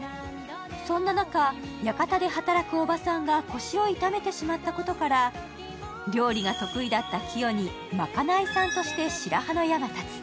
そんな中、屋形で働くおばさんが腰を痛めてしまったことから料理が得意だったキヨにまかないさんとして白羽の矢が立。